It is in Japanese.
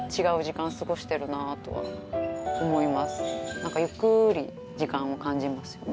何かゆっくり時間を感じますよね。